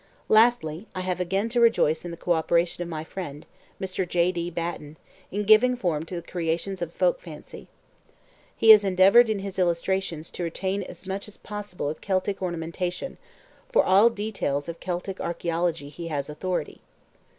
Lastly, I have again to rejoice in the co operation of my friend, Mr. J. D. Batten, in giving form to the creations of the folk fancy. He has endeavoured in his illustrations to retain as much as possible of Celtic ornamentation; for all details of Celtic archaeology he has authority.